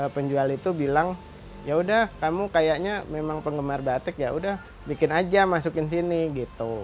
penjual itu bilang yaudah kamu kayaknya memang penggemar batik yaudah bikin aja masukin sini gitu